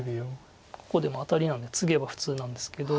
ここでアタリなのでツゲば普通なんですけど。